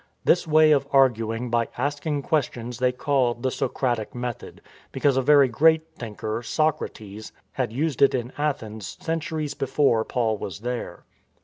This way of arguing by asking questions they called the Socratic method, because a very great thinker, Socrates, had used it in Athens centuries before Paul was there.